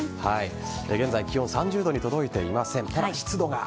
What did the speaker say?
現在気温３０度に届いていません。